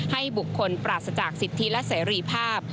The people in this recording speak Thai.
ให้บุคคลปราศจากสิทธิและเสรีภาพ